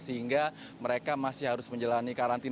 sehingga mereka tidak bisa berhubungan dengan teman teman yang lain